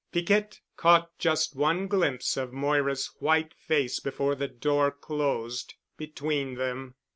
Piquette caught just one glimpse of Moira's white face before the door closed between them.